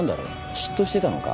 嫉妬してたのか？